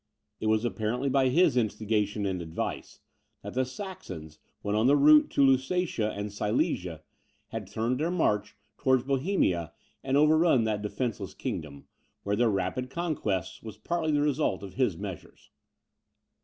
It was apparently by his instigation and advice, that the Saxons, when on the route to Lusatia and Silesia, had turned their march towards Bohemia, and overrun that defenceless kingdom, where their rapid conquests was partly the result of his measures.